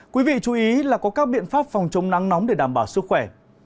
quý vị chú ý là có các biện pháp phòng chống nắng nóng để đảm bảo sức khỏe